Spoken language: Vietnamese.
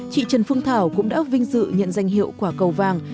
chị trần phương thảo cũng đã vinh dự nhận danh hiệu quả cầu vàng